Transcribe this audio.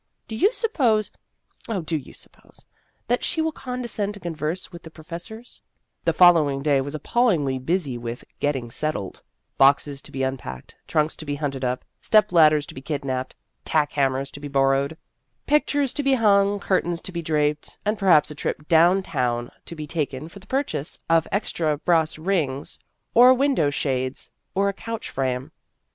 Do you sup pose oh, do you suppose that she will condescend to converse with the professors E" The following day was appallingly busy with " getting settled " boxes to be un packed, trunks to be hunted up, step lad A Superior Young Woman 181 ders to be kidnapped, tack hammers to be borrowed, pictures to be hung, curtains to be draped, and perhaps a trip down town to be taken for the purchase of extra brass rings or window shades or a couch frame.